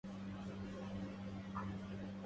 رأت ليلى أباها.